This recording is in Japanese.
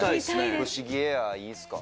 不思議エアーいいっすか？